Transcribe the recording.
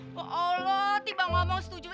eh oh allah tiba ngomong setuju